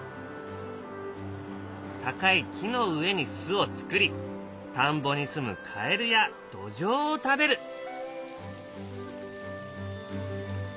高い木の上に巣を作り田んぼにすむカエルやドジョウを食べる。